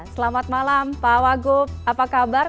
selamat malam pak wagub apa kabar